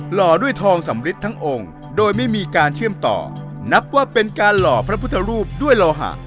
ห่อด้วยทองสำริดทั้งองค์โดยไม่มีการเชื่อมต่อนับว่าเป็นการหล่อพระพุทธรูปด้วยโลหะ